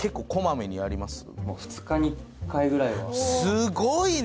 すごいな！